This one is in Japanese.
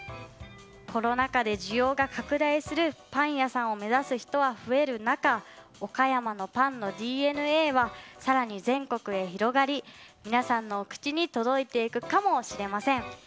コロナ禍で需要が拡大するパン屋さんを目指す人は増える中岡山のパンのＤＮＡは更に全国へ広がり皆さんのお口に届いていくかもしれません。